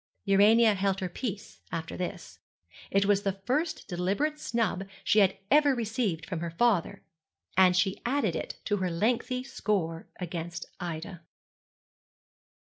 Urania held her peace after this. It was the first deliberate snub she had ever received from her father, and she added it to her lengthy score against Ida.